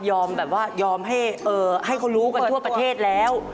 แบบว่ายอมให้เขารู้กันทั่วประเทศแล้ว